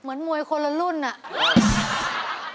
เหมือนมวยคนละรุ่นอะ